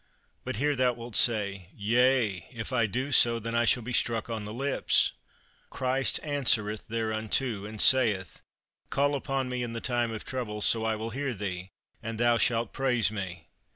But here thou wilt say, "Yea, if I do so, then I shall be struck on the lips." Christ answereth thereunto, and saith, "Call upon me in the time of trouble, so I will hear thee, and thou shalt praise me."